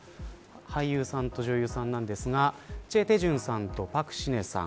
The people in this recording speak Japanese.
俳優さんと女優さんなんですがチェ・テジュンさんとパク・シネさん